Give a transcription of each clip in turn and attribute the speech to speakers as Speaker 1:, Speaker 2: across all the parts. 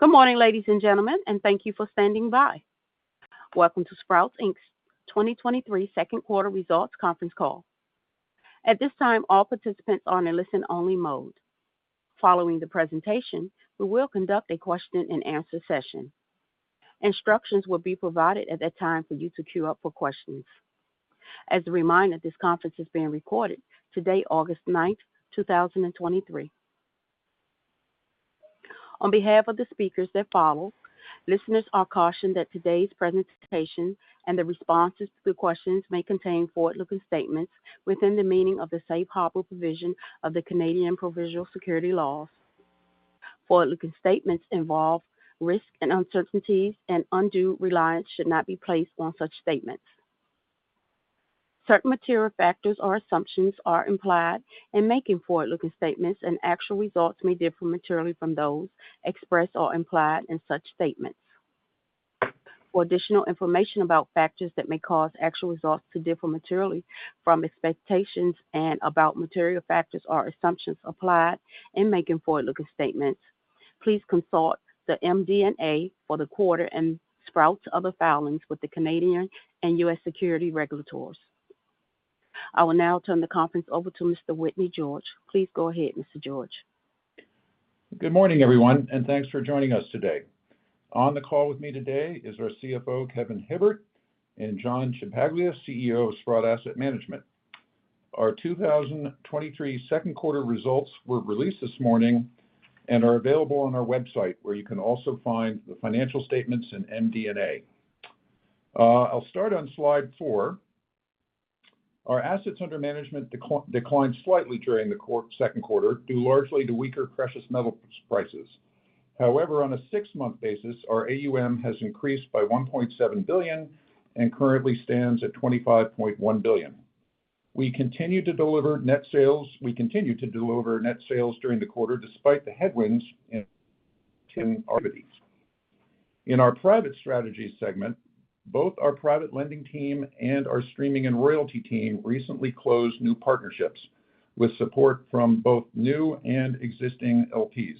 Speaker 1: Good morning, ladies and gentlemen, thank you for standing by. Welcome to Sprott Inc.'s 2023 second quarter results conference call. At this time, all participants are in a listen-only mode. Following the presentation, we will conduct a question-and-answer session. Instructions will be provided at that time for you to queue up for questions. As a reminder, this conference is being recorded today, August 9, 2023. On behalf of the speakers that follow, listeners are cautioned that today's presentation and the responses to the questions may contain forward-looking statements within the meaning of the safe harbor provision of the Canadian provincial securities laws. Forward-looking statements involve risks and uncertainties, undue reliance should not be placed on such statements. Certain material factors or assumptions are implied in making forward-looking statements, actual results may differ materially from those expressed or implied in such statements. For additional information about factors that may cause actual results to differ materially from expectations and about material factors or assumptions applied in making forward-looking statements, please consult the MD&A for the quarter and Sprott's other filings with the Canadian and U.S. security regulators. I will now turn the conference over to Mr. Whitney George. Please go ahead, Mr. George.
Speaker 2: Good morning, everyone. Thanks for joining us today. On the call with me today is our CFO Kevin Hibbert, and John Ciampaglia, CEO of Sprott Asset Management. Our 2023 second quarter results were released this morning and are available on our website, where you can also find the financial statements and MD&A. I'll start on slide four. Our assets under management declined slightly during the second quarter, due largely to weaker precious metal prices. However, on a six month basis, our AUM has increased by $1.7 billion and currently stands at $25.1 billion. We continue to deliver net sales during the quarter despite the headwinds in activities. In our Private Strategies segment, both our private lending team and our streaming and royalty team recently closed new partnerships with support from both new and existing LPs.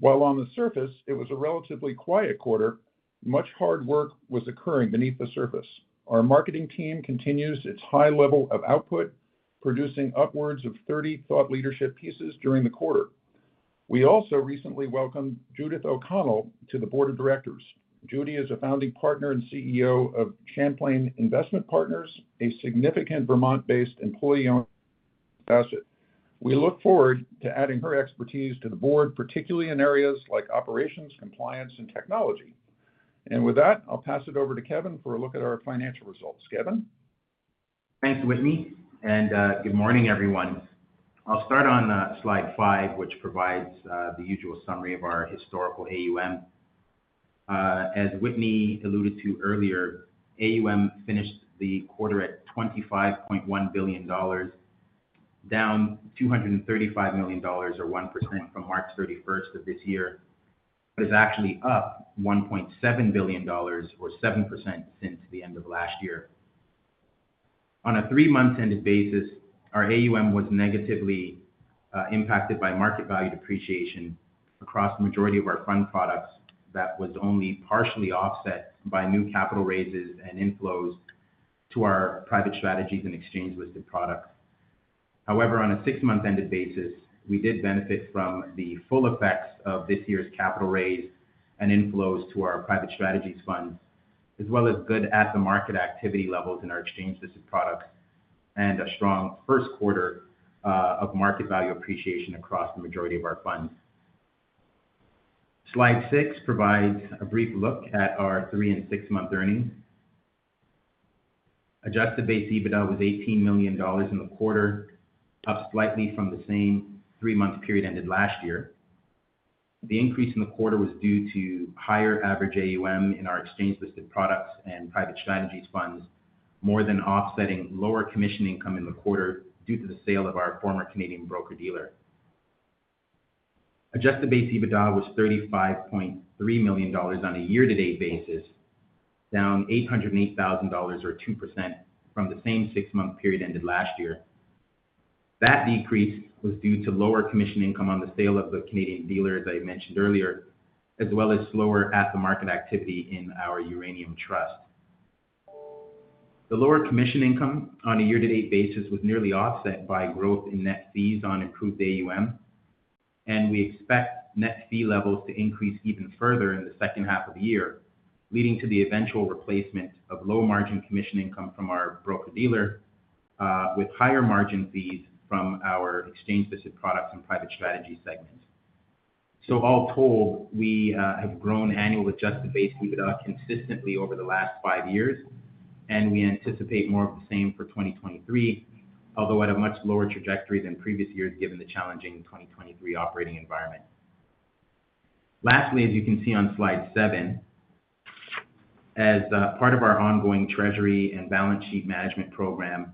Speaker 2: While on the surface, it was a relatively quiet quarter, much hard work was occurring beneath the surface. Our marketing team continues its high level of output, producing upwards of 30 thought leadership pieces during the quarter. We also recently welcomed Judith O'Connell to the Board of Directors. Judy is a founding partner and CEO of Champlain Investment Partners, a significant Vermont-based employee-owned asset. We look forward to adding her expertise to the Board, particularly in areas like operations, compliance, and technology. With that, I'll pass it over to Kevin for a look at our financial results. Kevin?
Speaker 3: Thanks, Whitney, good morning, everyone. I'll start on slide five, which provides the usual summary of our historical AUM. As Whitney alluded to earlier, AUM finished the quarter at $25.1 billion, down $235 million, or 1% from March 31st of this year, but is actually up $1.7 billion, or 7% since the end of last year. On a three month ended basis, our AUM was negatively impacted by market value depreciation across the majority of our fund products that was only partially offset by new capital raises and inflows to our Private Strategies and Exchange Listed Products. However, on a six month ended basis, we did benefit from the full effects of this year's capital raise and inflows to our Private Strategies funds, as well as good at-the-market activity levels in our Exchange Listed Products and a strong first quarter of market value appreciation across the majority of our funds. Slide six provides a brief look at our three and six month earnings. adjusted base EBITDA was $18 million in the quarter, up slightly from the same three month period ended last year. The increase in the quarter was due to higher average AUM in our Exchange Listed Products and Private Strategies funds, more than offsetting lower commission income in the quarter due to the sale of our former Canadian broker-dealer. Adjusted base EBITDA was $35.3 million on a year-to-date basis, down $808,000, or 2%, from the same six-month period ended last year. That decrease was due to lower commission income on the sale of the Canadian dealer, as I mentioned earlier, as well as lower at-the-market activity in our Uranium Trust. The lower commission income on a year-to-date basis was nearly offset by growth in net fees on improved AUM. We expect net fee levels to increase even further in the second half of the year, leading to the eventual replacement of low-margin commission income from our broker-dealer, with higher-margin fees from our Exchange Listed Products and Private Strategies segments. All told, we have grown annual adjusted base EBITDA consistently over the last five years, and we anticipate more of the same for 2023, although at a much lower trajectory than previous years, given the challenging 2023 operating environment. Lastly, as you can see on slide 7, as part of our ongoing treasury and balance sheet management program,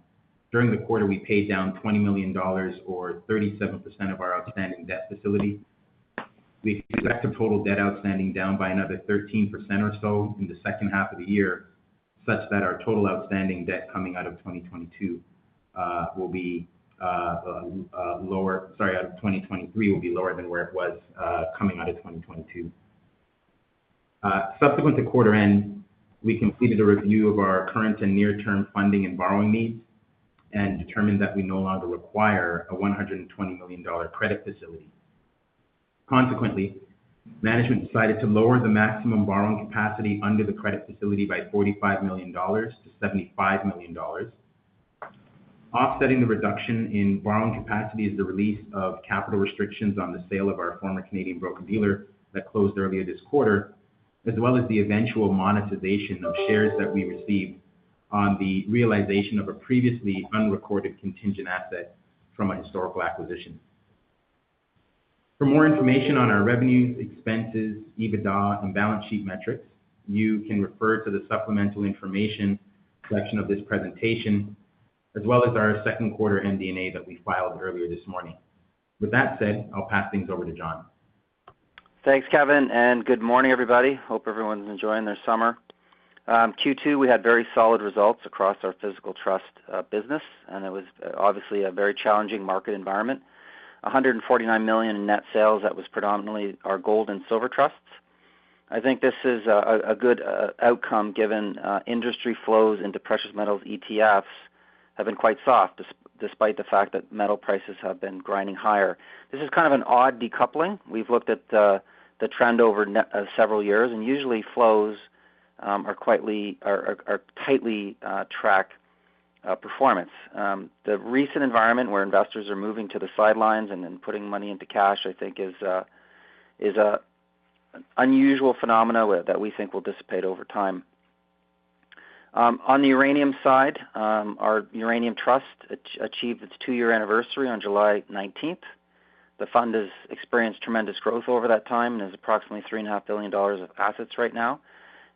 Speaker 3: during the quarter, we paid down $20 million, or 37% of our outstanding debt facility. We expect the total debt outstanding down by another 13% or so in the second half of the year, such that our total outstanding debt coming out of 2022 will be lower, sorry, out of 2023 will be lower than where it was coming out of 2022. Subsequent to quarter end, we completed a review of our current and near-term funding and borrowing needs, and determined that we no longer require a $120 million credit facility. Consequently, management decided to lower the maximum borrowing capacity under the credit facility by $45 million-$75 million. Offsetting the reduction in borrowing capacity is the release of capital restrictions on the sale of our former Canadian broker-dealer that closed earlier this quarter, as well as the eventual monetization of shares that we received on the realization of a previously unrecorded contingent asset from a historical acquisition. For more information on our revenues, expenses, EBITDA, and balance sheet metrics, you can refer to the supplemental information section of this presentation, as well as our second quarter MD&A that we filed earlier this morning. With that said, I'll pass things over to John.
Speaker 4: Thanks, Kevin. Good morning, everybody. Hope everyone's enjoying their summer. Q2, we had very solid results across our physical trust business, and it was obviously a very challenging market environment. $149 million in net sales, that was predominantly our gold and silver trusts. I think this is a good outcome, given industry flows into precious metals ETFs have been quite soft, despite the fact that metal prices have been grinding higher. This is kind of an odd decoupling. We've looked at the trend over several years, and usually, flows are tightly track performance. The recent environment where investors are moving to the sidelines and then putting money into cash, I think is an unusual phenomena that we think will dissipate over time. On the uranium side, our Uranium Trust achieved its two year anniversary on July 19th. The fund has experienced tremendous growth over that time, and is approximately $3.5 billion of assets right now.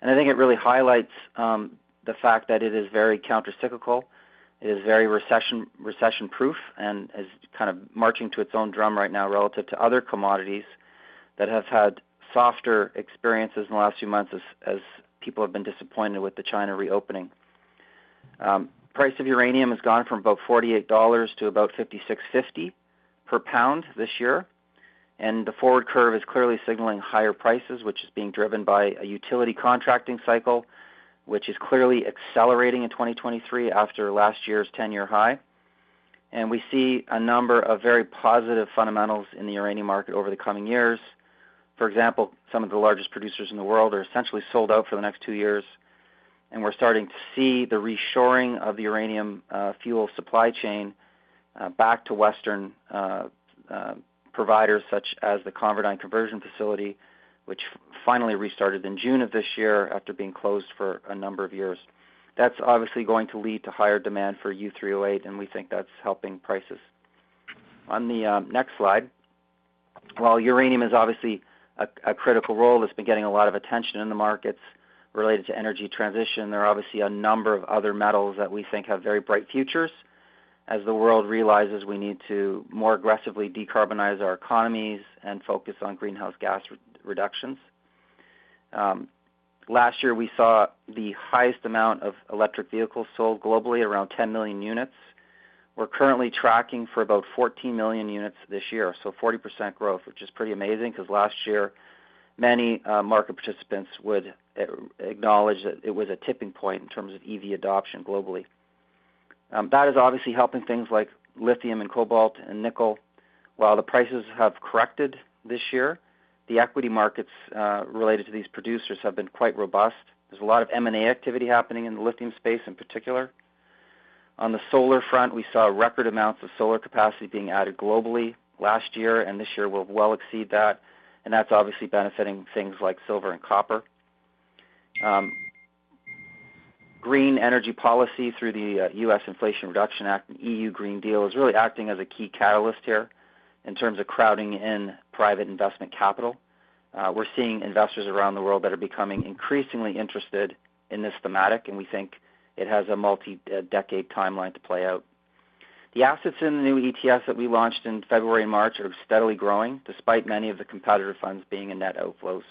Speaker 4: I think it really highlights the fact that it is very countercyclical, it is very recession-proof, and is kind of marching to its own drum right now relative to other commodities that have had softer experiences in the last few months as people have been disappointed with the China reopening. Price of uranium has gone from about $48 to about $56.50 per pound this year, and the forward curve is clearly signaling higher prices, which is being driven by a utility contracting cycle, which is clearly accelerating in 2023 after last year's 10 year high. We see a number of very positive fundamentals in the uranium market over the coming years. For example, some of the largest producers in the world are essentially sold out for the next two years, and we're starting to see the reshoring of the uranium fuel supply chain back to Western providers, such as the ConverDyn conversion facility, which finally restarted in June of this year after being closed for a number of years. That's obviously going to lead to higher demand for U3O8, and we think that's helping prices. On the next slide. While uranium is obviously a critical role that's been getting a lot of attention in the markets related to energy transition, there are obviously a number of other metals that we think have very bright futures as the world realizes we need to more aggressively decarbonize our economies and focus on greenhouse gas reductions. Last year, we saw the highest amount of electric vehicles sold globally, around 10 million units. We're currently tracking for about 14 million units this year, so 40% growth, which is pretty amazing, because last year, many market participants would acknowledge that it was a tipping point in terms of EV adoption globally. That is obviously helping things like lithium and cobalt and nickel. While the prices have corrected this year, the equity markets related to these producers have been quite robust. There's a lot of M&A activity happening in the lithium space in particular. On the solar front, we saw record amounts of solar capacity being added globally last year, and this year will well exceed that, and that's obviously benefiting things like silver and copper. Green energy policy through the U.S. Inflation Reduction Act and EU Green Deal is really acting as a key catalyst here in terms of crowding in private investment capital. We're seeing investors around the world that are becoming increasingly interested in this thematic, and we think it has a multi-decade timeline to play out. The assets in the new ETFs that we launched in February and March are steadily growing, despite many of the competitor funds being in net outflows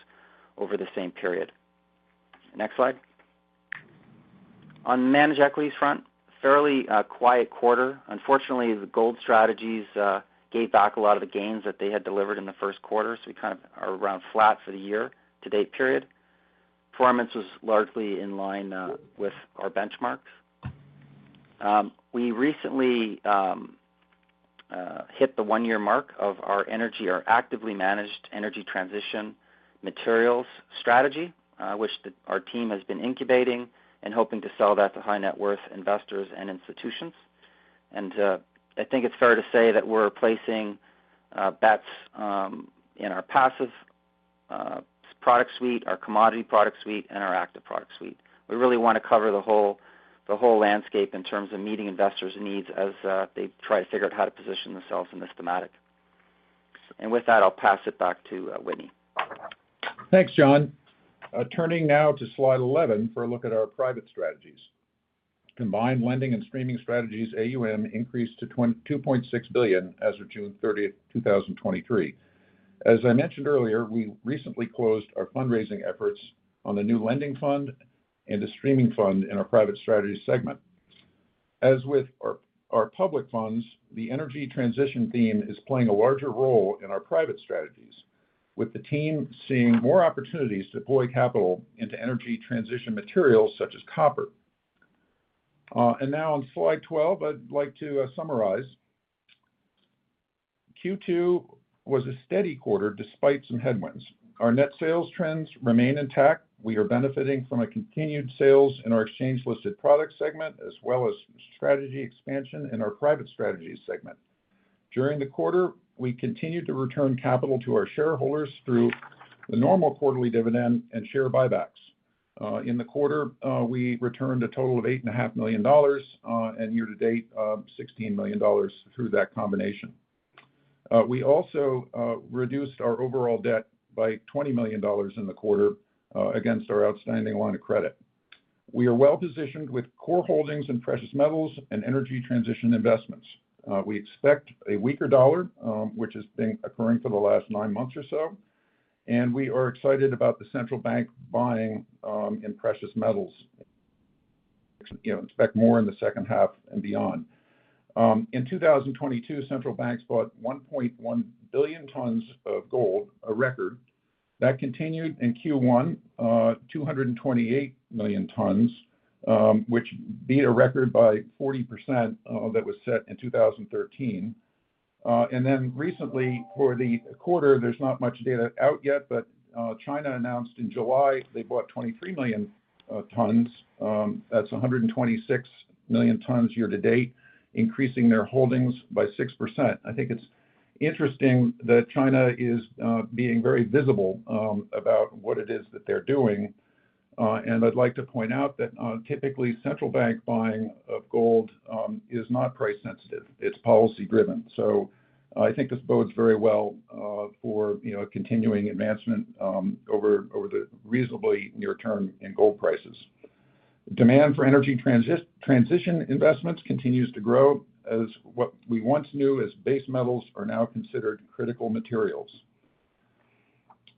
Speaker 4: over the same period. Next slide. On managed equities front, fairly quiet quarter. Unfortunately, the gold strategies, gave back a lot of the gains that they had delivered in the first quarter. We kind of are around flat for the year to date period. Performance was largely in line with our benchmarks. We recently hit the 1-year mark of our energy, our actively managed Energy Transition Materials strategy, which the, our team has been incubating and hoping to sell that to high net worth investors and institutions. I think it's fair to say that we're placing bets in our passive product suite, our commodity product suite, and our active product suite. We really want to cover the whole, the whole landscape in terms of meeting investors' needs as they try to figure out how to position themselves in this thematic. With that, I'll pass it back to Whitney.
Speaker 2: Thanks, John. turning now to slide 11 for a look at our Private Strategies combined lending and streaming strategies AUM increased to $2.6 billion as of June 30, 2023. As I mentioned earlier, we recently closed our fundraising efforts on the new lending fund and the streaming fund in our Private Strategies segment. As with our, our public funds, the energy transition theme is playing a larger role in our Private Strategies, with the team seeing more opportunities to deploy capital into energy transition materials such as copper. Now on slide 12, I'd like to summarize. Q2 was a steady quarter despite some headwinds. Our net sales trends remain intact. We are benefiting from a continued sales in our Exchange Listed Products segment, as well as strategy expansion in our Private Strategies segment. During the quarter, we continued to return capital to our shareholders through the normal quarterly dividend and share buybacks. In the quarter, we returned a total of $8.5 million, year to date, $16 million through that combination. We also reduced our overall debt by $20 million in the quarter against our outstanding line of credit. We are well positioned with core holdings in precious metals and energy transition investments. We expect a weaker dollar, which has been occurring for the last nine months or so, and we are excited about the central bank buying in precious metals. You know, expect more in the second half and beyond. In 2022, central banks bought 1.1 billion tons of gold, a record. That continued in Q1, 228 million tons, which beat a record by 40% that was set in 2013. Recently, for the quarter, there's not much data out yet, but China announced in July they bought 23 million tons. That's 126 million tons year-to-date, increasing their holdings by 6%. I think it's interesting that China is being very visible about what it is that they're doing. I'd like to point out that typically, central bank buying of gold is not price sensitive. It's policy driven. I think this bodes very well for, you know, a continuing advancement over the reasonably near term in gold prices. Demand for energy transition investments continues to grow, as what we once knew as base metals are now considered critical materials.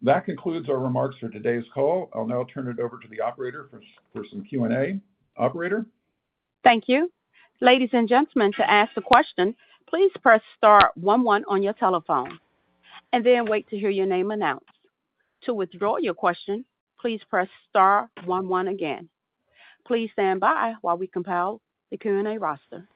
Speaker 2: That concludes our remarks for today's call. I'll now turn it over to the operator for some Q&A. Operator?
Speaker 1: Thank you. Ladies and gentlemen, to ask a question, please press star one, one on your telephone, and then wait to hear your name announced. To withdraw your question, please press star one, one again. Please stand by while we compile the Q&A roster.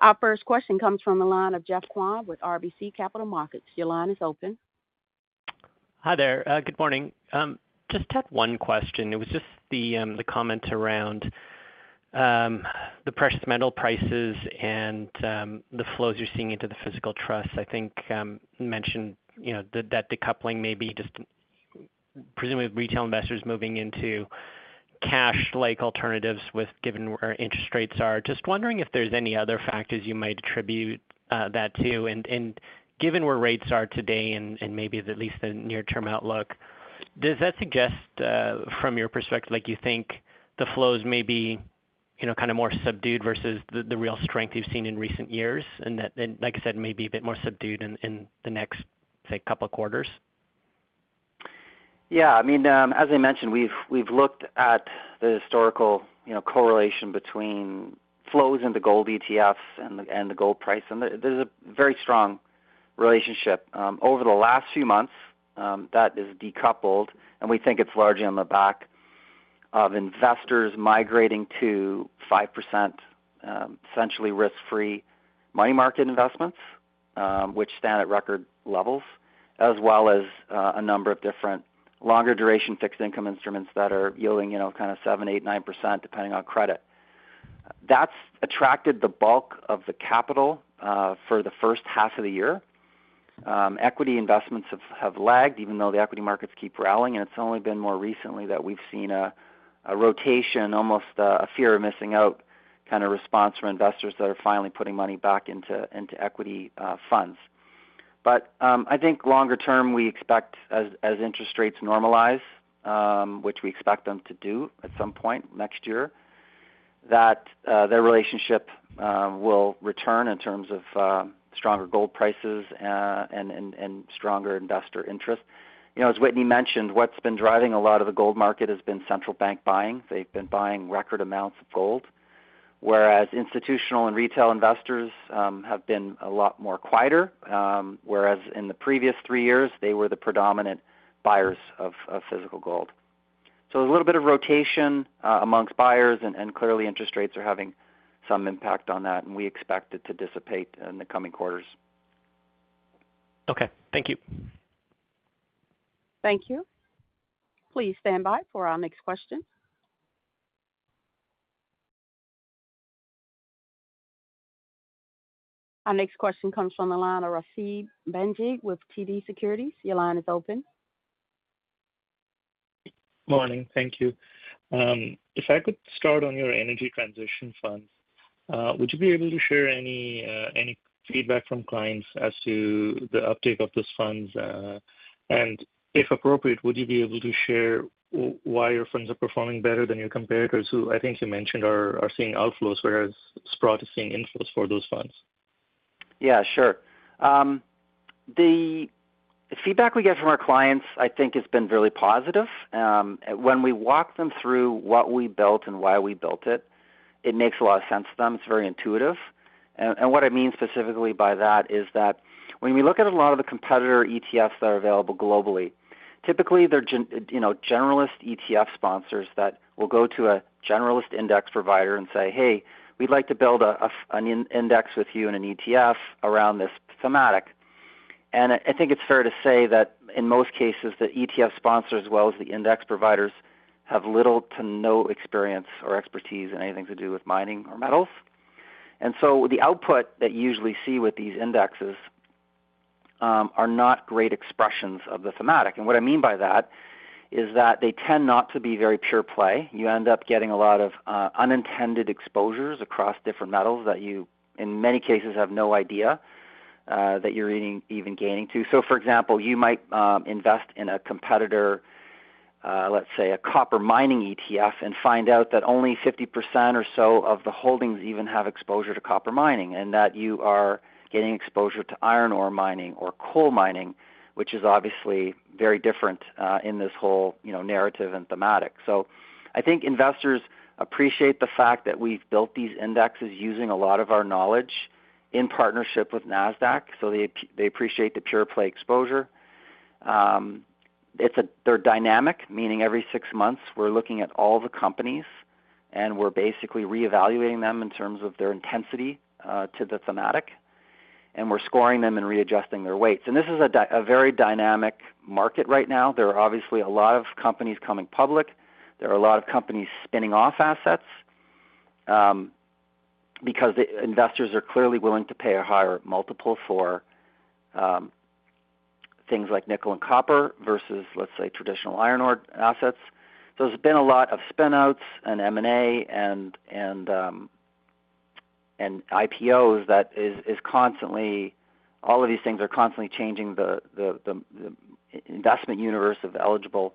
Speaker 1: Our first question comes from the line of Geoffrey Kwan with RBC Capital Markets. Your line is open.
Speaker 5: Hi there. Good morning. Just had one question. It was just the comments around the precious metal prices and the flows you're seeing into the physical trust. I think you mentioned, you know, that that decoupling may be just presumably retail investors moving into cash-like alternatives, given where interest rates are. Just wondering if there's any other factors you might attribute that to? Given where rates are today and maybe at least the near-term outlook, does that suggest, from your perspective, like, you think the flows may be, you know, kind of more subdued versus the real strength you've seen in recent years? That, and like I said, maybe a bit more subdued in the next, say, couple of quarters.
Speaker 4: Yeah, I mean, as I mentioned, we've, we've looked at the historical, you know, correlation between flows into gold ETFs and the, and the gold price, and there, there's a very strong relationship. Over the last few months, that has decoupled, and we think it's largely on the back of investors migrating to 5%, essentially risk-free money market investments, which stand at record levels, as well as a number of different longer duration fixed income instruments that are yielding, you know, kind of 7%, 8%, 9%, depending on credit. That's attracted the bulk of the capital for the first half of the year. Equity investments have, have lagged, even though the equity markets keep rallying, and it's only been more recently that we've seen a, a rotation, almost a, a fear of missing out, kind of response from investors that are finally putting money back into, into equity funds. I think longer term, we expect as, as interest rates normalize, which we expect them to do at some point next year, that their relationship will return in terms of stronger gold prices and stronger investor interest. You know, as Whitney mentioned, what's been driving a lot of the gold market has been central bank buying. They've been buying record amounts of gold, whereas institutional and retail investors have been a lot more quieter, whereas in the previous three years, they were the predominant buyers of physical gold. A little bit of rotation, amongst buyers, and clearly interest rates are having some impact on that, and we expect it to dissipate in the coming quarters.
Speaker 5: Okay. Thank you.
Speaker 1: Thank you. Please stand by for our next question. Our next question comes from the line of Rasib Bhanji with TD Securities. Your line is open.
Speaker 6: Morning. Thank you. If I could start on your Energy Transition Fund, would you be able to share any feedback from clients as to the uptake of those funds? If appropriate, would you be able to share why your funds are performing better than your competitors, who I think you mentioned are seeing outflows, whereas Sprott is seeing inflows for those funds?
Speaker 4: Yeah, sure. The feedback we get from our clients, I think, has been really positive. When we walk them through what we built and why we built it, it makes a lot of sense to them. It's very intuitive. What I mean specifically by that is that when you look at a lot of the competitor ETFs that are available globally, typically they're generalist ETF sponsors that will go to a generalist index provider and say, "Hey, we'd like to build an index with you and an ETF around this thematic." I think it's fair to say that in most cases, the ETF sponsors, as well as the index providers, have little to no experience or expertise in anything to do with mining or metals. So the output that you usually see with these indexes are not great expressions of the thematic. What I mean by that is that they tend not to be very pure play. You end up getting a lot of unintended exposures across different metals that you, in many cases, have no idea that you're even, even gaining to. For example, you might invest in a competitor, let's say, a copper mining ETF and find out that only 50% or so of the holdings even have exposure to copper mining, and that you are getting exposure to iron ore mining or coal mining, which is obviously very different in this whole, you know, narrative and thematic. I think investors appreciate the fact that we've built these indexes using a lot of our knowledge in partnership with Nasdaq, so they appreciate the pure play exposure. They're dynamic, meaning every six months, we're looking at all the companies, and we're basically reevaluating them in terms of their intensity to the thematic, and we're scoring them and readjusting their weights. This is a very dynamic market right now. There are obviously a lot of companies coming public. There are a lot of companies spinning off assets, because the investors are clearly willing to pay a higher multiple for things like nickel and copper versus, let's say, traditional iron ore assets. There's been a lot of spin-outs and M&A and, and IPOs that all of these things are constantly changing the, the, the, the investment universe of eligible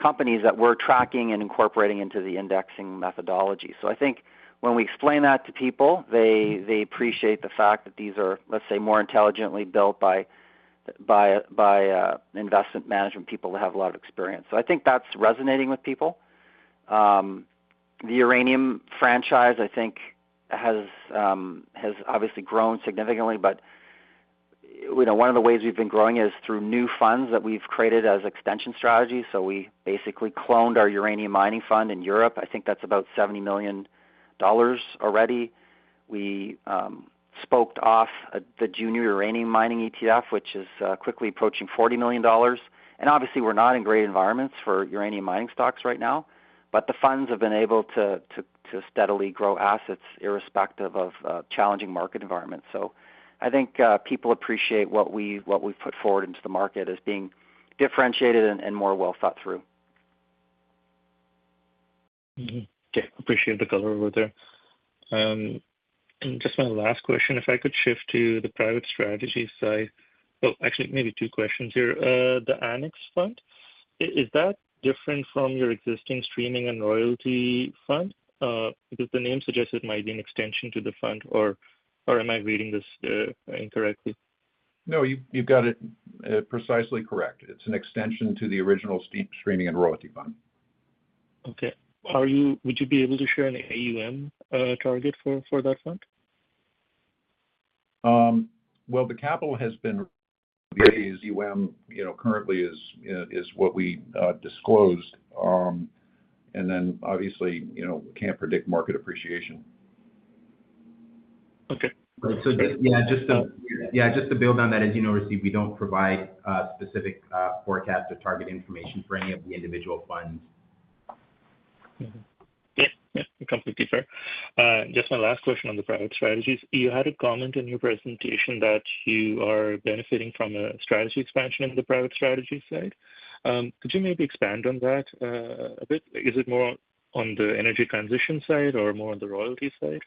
Speaker 4: companies that we're tracking and incorporating into the indexing methodology. I think when we explain that to people, they, they appreciate the fact that these are, let's say, more intelligently built by, by investment management people that have a lot of experience. I think that's resonating with people. The uranium franchise, I think, has obviously grown significantly, but, you know, one of the ways we've been growing is through new funds that we've created as extension strategies. We basically cloned our uranium mining fund in Europe. I think that's about $70 million already. We spoked off the junior uranium mining ETF, which is quickly approaching $40 million. Obviously, we're not in great environments for uranium mining stocks right now, but the funds have been able to, to, to steadily grow assets irrespective of challenging market environments. I think people appreciate what we, what we've put forward into the market as being differentiated and, and more well thought through.
Speaker 6: Okay, appreciate the color over there. Just my last question, if I could shift to the Private Strategies side... Actually, maybe two questions here. The Annex Fund, is that different from your existing streaming and royalty fund? Because the name suggests it might be an extension to the fund, or am I reading this incorrectly?
Speaker 2: No, you've got it precisely correct. It's an extension to the original streaming and royalty fund.
Speaker 6: Okay. Would you be able to share an AUM target for that fund?
Speaker 2: Well, the capital has been... AUM, you know, currently is what we disclosed. Obviously, you know, we can't predict market appreciation.
Speaker 6: Okay.
Speaker 4: Just, just to, just to build on that, as you know, we don't provide specific forecast or target information for any of the individual funds.
Speaker 6: Mm-hmm. Yeah, yeah, completely fair. Just my last question on the Private Strategies. You had a comment in your presentation that you are benefiting from a strategy expansion in the Private Strategies side. Could you maybe expand on that a bit? Is it more on the energy transition side or more on the royalty side?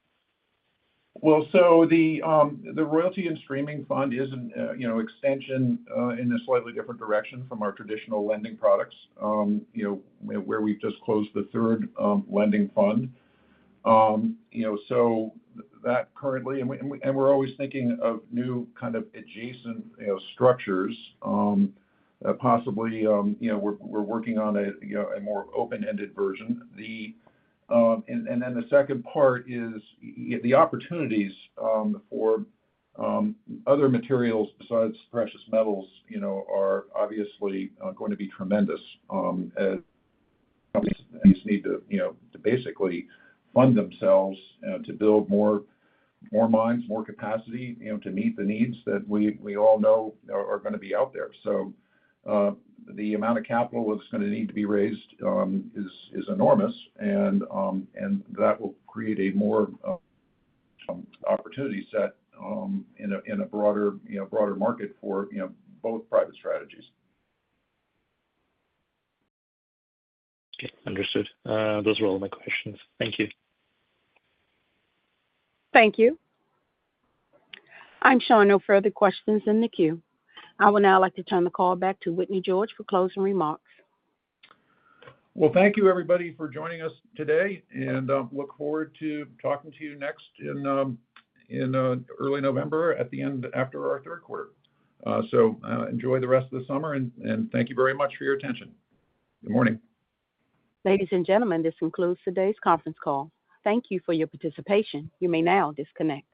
Speaker 2: Well, the, the streaming and royalty fund is an, you know, extension, in a slightly different direction from our traditional lending products, you know, where, where we've just closed the third lending fund. You know, that currently... We're always thinking of new kind of adjacent, you know, structures. Possibly, you know, we're, we're working on a, you know, a more open-ended version. The second part is, the opportunities, for, other materials besides precious metals, you know, are obviously, going to be tremendous. As companies need to, you know, to basically fund themselves, to build more, more mines, more capacity, you know, to meet the needs that we, we all know are, are gonna be out there. The amount of capital that's gonna need to be raised, is enormous, and that will create a more opportunity set in a broader, you know, broader market for, you know, both Private Strategies.
Speaker 6: Okay, understood. Those were all my questions. Thank you.
Speaker 1: Thank you. I'm showing no further questions in the queue. I would now like to turn the call back to Whitney George for closing remarks.
Speaker 2: Well, thank you everybody for joining us today, and, look forward to talking to you next in, in, early November, at the end, after our third quarter. Enjoy the rest of the summer, and, and thank you very much for your attention. Good morning.
Speaker 1: Ladies and gentlemen, this concludes today's conference call. Thank you for your participation. You may now disconnect.